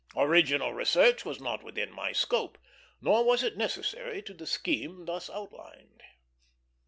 Original research was not within my scope, nor was it necessary to the scheme thus outlined.